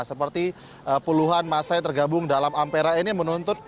seperti puluhan masanya tergabung dalam ampera ini menuntut